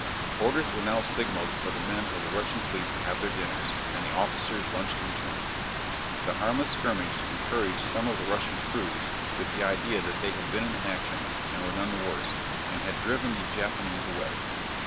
Orders were now signalled for the men of the Russian fleet to have their dinners, and the officers lunched in turn. The harmless skirmish encouraged some of the Russian crews with the idea that they had been in action and were none the worse, and had driven the Japanese away.